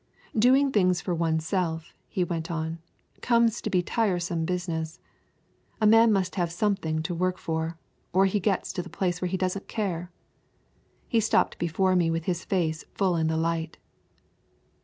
"Doing things for one's self," he went on, "comes to be tiresome business. A man must have someone to work for, or he gets to the place where he doesn't care." He stopped before me with his face full in the light.